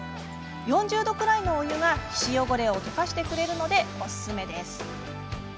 ４０度くらいのお湯が皮脂汚れを溶かしてくれるのでおすすめです。